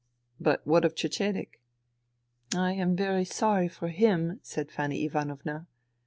" But what of Cecedek ?"" I am very sorry for him," said Fanny Ivanovna.